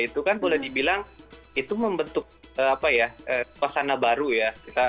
itu kan boleh dibilang itu membentuk suasana baru ya